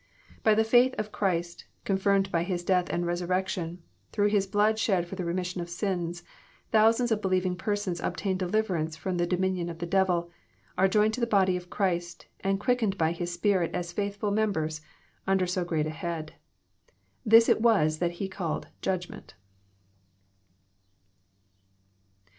But by the faith of Christ, confirmed by His death and resur« rection, through His blood shed for the remission of sins, thou sands of believing persons obtain deliverance ft*om the dominion of the devil, are Joined to the body of Christ, and quickened by His Spirit as faithftil members, under so great a Head* This it was that He called judgment.'